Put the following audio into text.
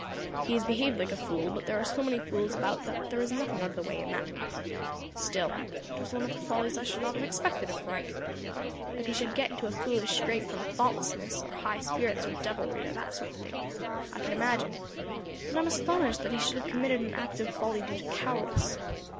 He has behaved like a fool, but there are so many fools about that there is nothing out of the way in that. Still it was one of the follies I should not have expected of Frank. That he should get into a foolish scrape from thoughtlessness, or high spirits, or devilry, or that sort of thing, I could imagine; but I am astonished that he should have committed an act of folly due to cowardice."